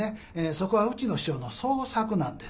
そこはうちの師匠の創作なんですよ。